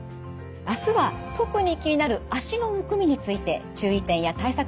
明日は特に気になる脚のむくみについて注意点や対策